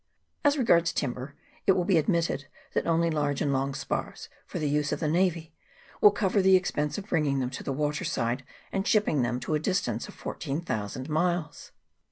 As regards timber, it will be admitted that only large and long spars, for the use of the navy, will cover the expense of bringing them to the water side, and shipping them to a distance of 14,000 miles.